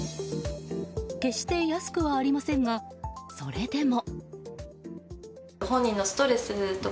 決して安くはありませんがそれでも。